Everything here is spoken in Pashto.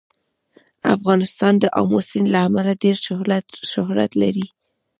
افغانستان د آمو سیند له امله ډېر شهرت لري.